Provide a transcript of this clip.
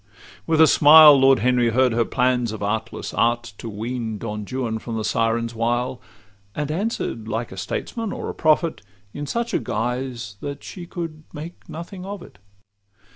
With a smile Lord Henry heard her plans of artless art To wean Don Juan from the siren's wile; And answer'd, like a statesman or a prophet, In such guise that she could make nothing of it.